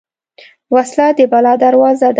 وسله د بلا دروازه ده